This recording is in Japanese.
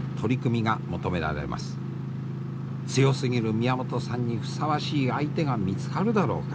強すぎる宮本さんにふさわしい相手が見つかるだろうか。